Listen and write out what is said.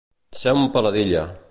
Ser una peladilla.